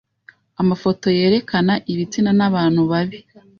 amafoto yerekana ibitsina n’abantu babi.